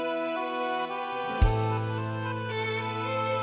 เพลงที่สองเพลงมาครับ